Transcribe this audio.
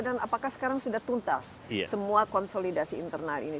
apakah sekarang sudah tuntas semua konsolidasi internal ini